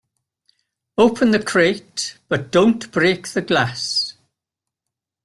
Open the crate but don't break the glass.